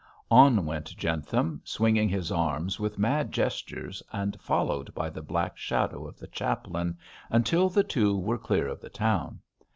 On went Jentham, swinging his arms with mad gestures, and followed by the black shadow of the chaplain, until the two were clear of the town.